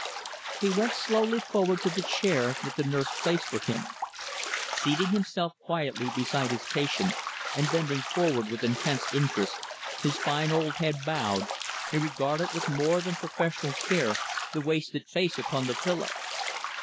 He went slowly forward to the chair that the nurse placed for him. Seating himself quietly beside his patient, and bending forward with intense interest, his fine old head bowed, he regarded with more than professional care the wasted face upon the pillow.